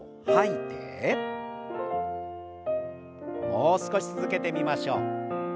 もう少し続けてみましょう。